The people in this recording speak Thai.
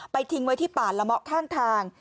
ทิ้งไว้ที่ป่าละเมาะข้างทาง